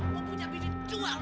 gue punya bidik tua lo